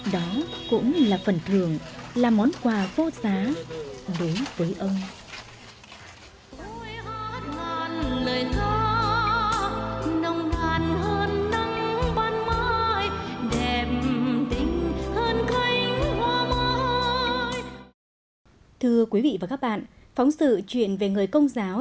đó cũng là phần thưởng là món quà vô giá đối với ông